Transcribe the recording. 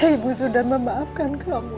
ibu sudah memaafkan kamu